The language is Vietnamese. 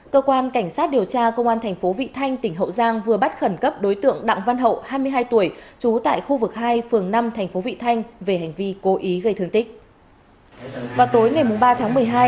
cơ quan cảnh sát điều tra công an thành phố vị thanh tỉnh hậu giang vừa bắt khẩn cấp đối tượng đặng văn hậu hai mươi hai tuổi trú tại khu vực hai phường năm thành phố vị thanh về hành vi cố ý gây thương tích